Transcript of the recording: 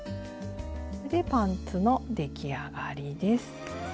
でパンツの出来上がりです。